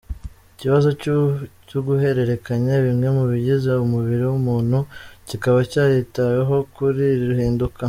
Ikibazo cy’uguhererekanya bimwe mu bigize umubiri w’umuntu kikaba cyaritaweho kuri iri hinduka.